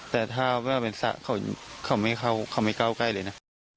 แต่ถ้าว่าเป็นสระเขาไม่ก้าวใกล้เลยนะ